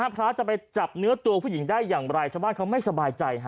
พระจะไปจับเนื้อตัวผู้หญิงได้อย่างไรชาวบ้านเขาไม่สบายใจ